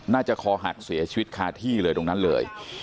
คอหักเสียชีวิตคาที่เลยตรงนั้นเลย